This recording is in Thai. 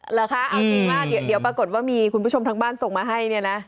เหรอคะเอาจริงว่าเดี๋ยวปรากฏว่ามีคุณผู้ชมทางบ้านส่งมาให้เนี่ยนะ